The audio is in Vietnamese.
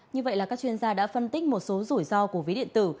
như vậy là các chuyên gia đã phân tích một số rủi ro của ví điện tử